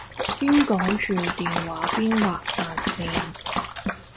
邊講住電話邊畫眼線